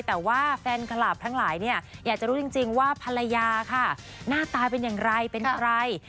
แต่ว่าแฟนคลับทั้งหลายอยากจะรู้จริงว่าภรรยาน่าตายเป็นยังไงเป็นใคร